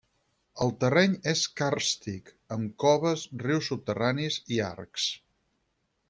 El terreny és càrstic, amb coves, rius subterranis i arcs.